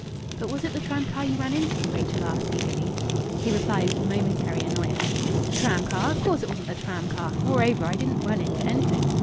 "But was it the tram car you ran into?" Rachel asked eagerly. He replied with momentary annoyance "Tram car! Of course it wasn't the tram car. Moreover, I didn't run into anything.